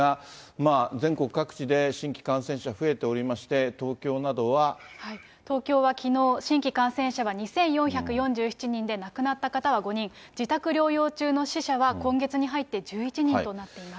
まあ、全国各地で新規感染者増えておりまして、東京などは。東京はきのう、新規感染者が２４４７人で亡くなった方は５人、自宅療養中の死者は今月に入って１１人となっています。